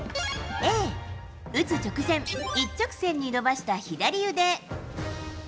Ａ、打つ直前、一直線に伸ばした左腕。